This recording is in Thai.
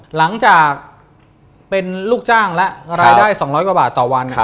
หลังจากเป็นลูกจ้างและรายได้๒๐๐กว่าบาทต่อวัน